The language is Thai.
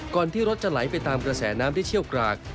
ที่รถจะไหลไปตามกระแสน้ำที่เชี่ยวกราก